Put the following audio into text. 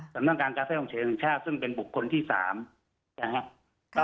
สำนักงานการแพทย์ฉุกเฉินแห่งชาติซึ่งเป็นบุคคลที่๓นะครับ